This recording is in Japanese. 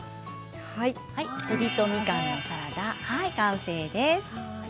せりとみかんのサラダ完成です。